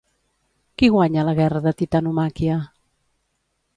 Qui guanya la guerra de titanomàquia?